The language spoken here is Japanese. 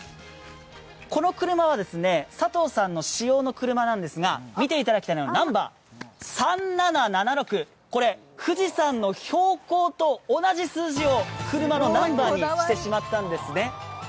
この車は佐藤さんの私用の車なんですが、見ていただきたいのがナンバー、３７７６、富士山の標高と同じ数字を車のナンバーにしてしまったんですね。